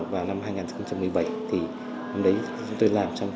và năm hai nghìn một mươi bảy thì hôm đấy chúng tôi làm xong